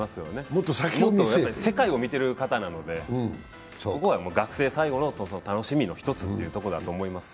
もっと世界を見てる方なので、ここは学生最後の楽しみの一つというところだと思います。